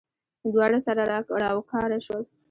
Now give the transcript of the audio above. دواړه سره راوکاره شول.